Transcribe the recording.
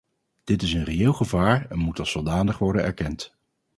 Dit is een reëel gevaar en moet als zodanig worden erkend.